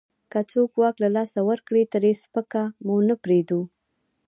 که څوک واک له لاسه ورکړي، ترې سپکه مو نه پرېږدو.